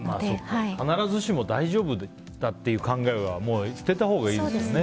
必ずしも大丈夫だっていう考えはもう捨てたほうがいいんですね。